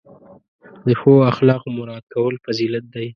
د ښو اخلاقو مراعت کول فضیلت دی.